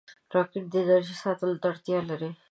راکټ د انرژۍ ساتلو ته اړتیا لري